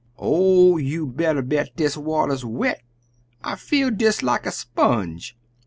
"Oh, you better bet dis water's wet! I feel des like a sponge!"